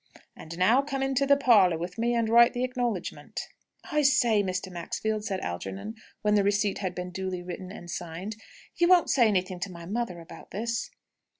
"And now come into the parlour with me, and write the acknowledgment." "I say, Mr. Maxfield," said Algernon, when the receipt had been duly written and signed, "you won't say anything to my mother about this?"